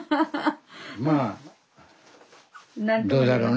まあどうだろうなあ。